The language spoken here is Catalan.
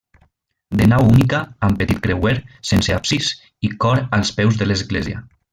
De nau única, amb petit creuer, sense absis i cor als peus de l'església.